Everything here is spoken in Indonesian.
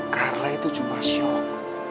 karla itu cuma syok